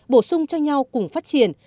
bổ sung cho nhau cùng phát triển